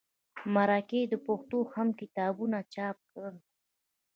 مرکې د پښتو مهم کتابونه چاپ کړل.